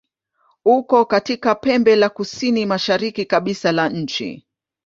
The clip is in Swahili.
Uko katika pembe la kusini-mashariki kabisa la nchi.